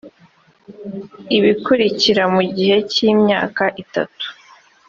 ibikurikira mu gihe cy’imyaka itanu